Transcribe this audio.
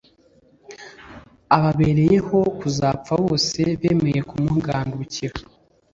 ababereyeho kuzapfa bose bemeye kumugandukira